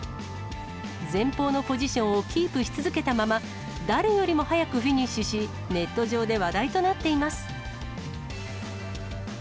前方のポジションをキープし続けたまま、誰よりも速くフィニッシュし、ネット上で話題となっています。